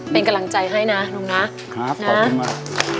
เป็นกำลังใจให้นะลุงนะครับขอบคุณมาก